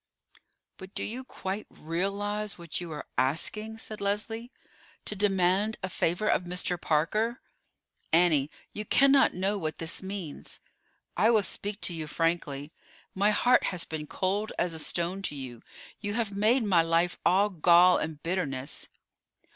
"But do you quite realize what you are asking?" said Leslie; "to demand a favor of Mr. Parker? Annie, you cannot know what this means. I will speak to you frankly. My heart has been cold as a stone to you. You have made my life all gall and bitterness."